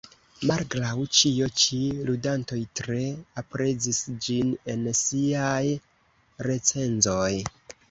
Malgraŭ ĉio ĉi, ludantoj tre aprezis ĝin en siaj recenzoj.